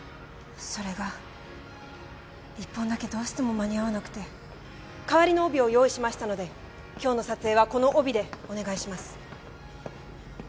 それが一本だけどうしても間に合わなくて代わりの帯を用意しましたので今日の撮影はこの帯でお願いします